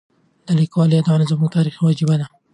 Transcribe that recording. د لیکوالو یادونه زموږ تاریخي وجیبه ده.